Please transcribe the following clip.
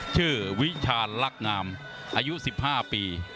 ชื่อวิชาลรักงามอายุ๑๕ปี